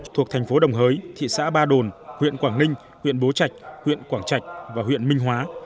thuộc thành phố đồng hới thị xã ba đồn huyện quảng ninh huyện bố trạch huyện quảng trạch và huyện minh hóa